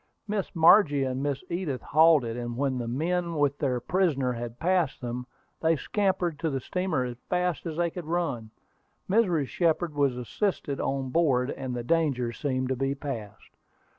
Miss Margie and Miss Edith halted, and when the men with their prisoner had passed them, they scampered to the steamer as fast as they could run. Mrs. Shepard was assisted on board, and the danger seemed to be passed.